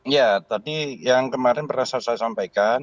ya tadi yang kemarin pernah saya sampaikan